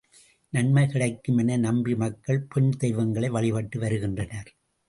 நன்மை கிடைக்கும் என நம்பி மக்கள் பெண் தெய்வங்களை வழிபட்டு வருகின்றனர்.